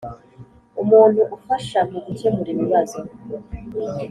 umuntu ufasha mu gukemura ibibazo